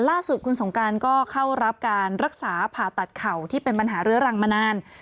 ล่าสุดคุณสงการก็เข้ารับการรักษาผ่าตัดเข่าที่เป็นปัญหาเรื้อรังมานาน